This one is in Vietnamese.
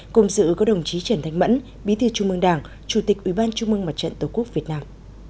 cùng dự có đồng chí trần thành mẫn bí thư trung ương đảng chủ tịch ủy ban trung ương mặt trận tổ quốc việt nam